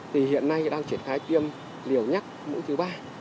thì hiện nay đang triển khai tiêm liều nhắc mũi thứ ba